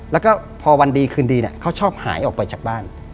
แล้วก็พอวันดีคืนดีเขาชอบหายออกไปจากบ้าน